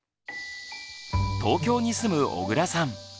東京に住む小倉さん。